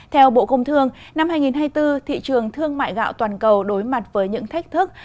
theo bộ công thương năm hai nghìn hai mươi bốn thị trường thương mại gạo toàn cầu đối mặt với những thách thức